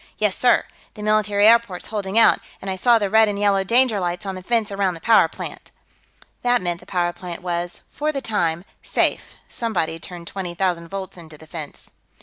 "Yes, sir. The military airport's holding out, and I saw the red and yellow danger lights on the fence around the power plant." That meant the power plant was, for the time, safe; somebody'd turned twenty thousand volts into the fence.